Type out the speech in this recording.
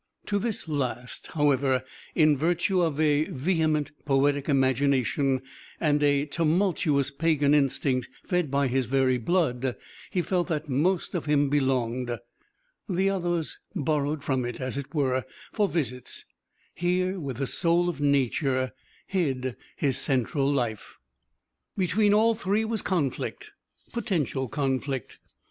To this last, however, in virtue of a vehement poetic imagination, and a tumultuous pagan instinct fed by his very blood, he felt that most of him belonged. The others borrowed from it, as it were, for visits. Here, with the soul of Nature, hid his central life. Between all three was conflict potential conflict.